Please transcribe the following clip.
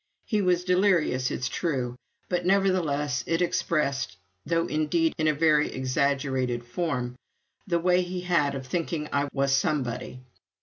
He was delirious, it is true; but nevertheless it expressed, though indeed in a very exaggerated form, the way he had of thinking I was somebody!